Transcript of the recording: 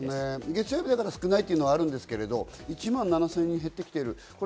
月曜日だから少ないというのはありますが、１万７０００人減ってきている。